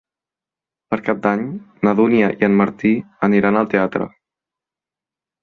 Per Cap d'Any na Dúnia i en Martí aniran al teatre.